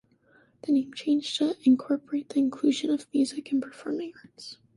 The name changed to incorporate the inclusion of Music and Performing Arts.